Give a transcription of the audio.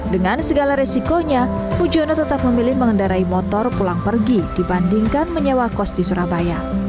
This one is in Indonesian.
dengan segala resikonya mujono tetap memilih mengendarai motor pulang pergi dibandingkan menyewa kos di surabaya